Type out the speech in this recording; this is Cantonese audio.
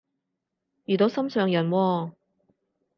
遇到心上人喎？